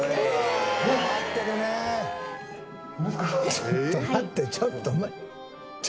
ちょっと待ってちょっと待って。